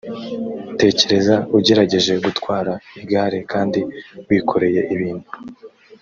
tekereza ugerageje gutwara igare kandi wikoreye ibintu